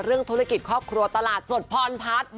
ธุรกิจครอบครัวตลาดสดพรพัฒน์